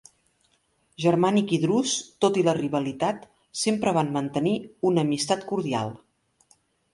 Germànic i Drus, tot i la rivalitat, sempre van mantenir una amistat cordial.